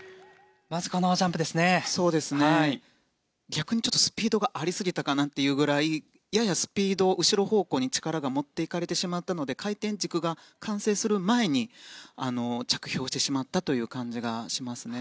逆にスピードがありすぎたかなというぐらいややスピードを後ろ方向に力が持っていかれてしまったので回転軸が完成する前に着氷してしまったという感じがしますね。